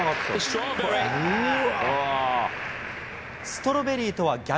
ストロベリーとは逆